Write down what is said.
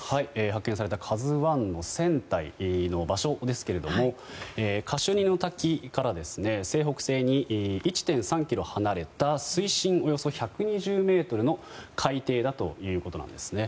発見された「ＫＡＺＵ１」の船体の場所ですけれどカシュニの滝から西北西に１．３ｋｍ離れた水深およそ１２０の海底だということなんですね。